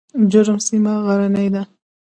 جرم سیمه غرنۍ ده؟